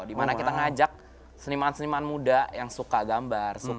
dimana kita ngajak seniman seniman muda yang suka gambar